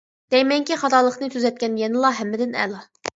دەيمەنكى خاتالىقنى تۈزەتكەن يەنىلا ھەممىدىن ئەلا!